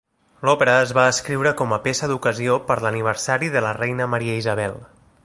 L'òpera es va escriure com a peça d'ocasió per l'aniversari de la reina Maria Isabel.